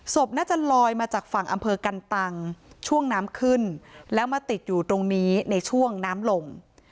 ศพน่าจะลอยมาจากฝั่งอำเภอกันตังช่วงน้ำขึ้นแล้วมาติดอยู่ตรงนี้ในช่วงน้ำลง